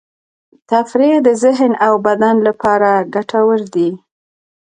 تفریح د ذهن او بدن لپاره ګټور دی.